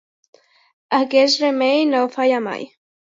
Aquest remei no falla mai.